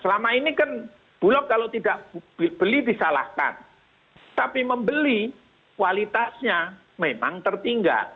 selama ini kan bulog kalau tidak beli disalahkan tapi membeli kualitasnya memang tertinggal